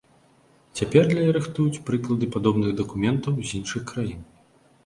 Цяпер для яе рыхтуюць прыклады падобных дакументаў з іншых краін.